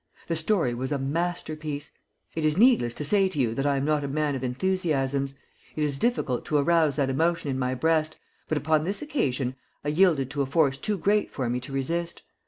The story was a masterpiece. It is needless to say to you that I am not a man of enthusiasms. It is difficult to arouse that emotion in my breast, but upon this occasion I yielded to a force too great for me to resist.